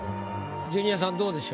ジュニアさんどうでしょう？